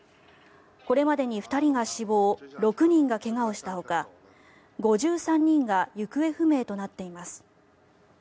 これまでに２人が死亡６人が怪我をしたほか５３人が行方不明となっています。